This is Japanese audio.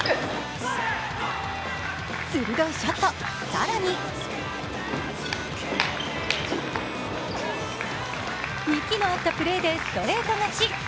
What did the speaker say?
鋭いショット、更に息の合ったプレーでストレート勝ち。